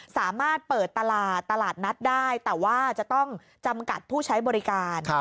สามารถเปิดตลาดตลาดนัดได้แต่ว่าจะต้องจำกัดผู้ใช้บริการ